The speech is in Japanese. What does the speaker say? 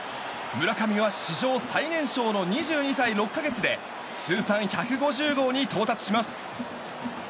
村上は史上最年少の２２歳６か月で通算１５０号に到達します！